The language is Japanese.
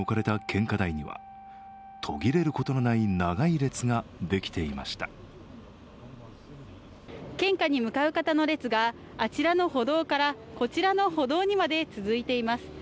献花に向かう方の列があちらの歩道からこちらの歩道にまで続いています。